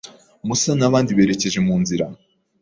Musa nabandi berekeje munzira.